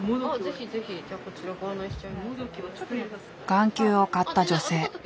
眼球を買った女性。